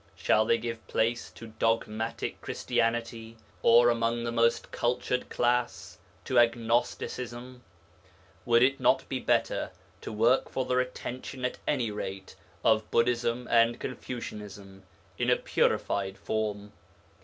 Shall they give place to dogmatic Christianity or, among the most cultured class, to agnosticism? Would it not be better to work for the retention at any rate of Buddhism and Confucianism in a purified form?